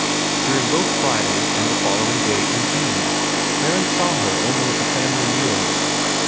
During both Friday and the following day, indeed, Theron saw her only at the family meals.